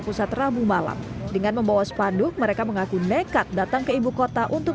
pusat ramu malam dengan membawa sepanduk mereka mengaku nekat datang ke ibukota untuk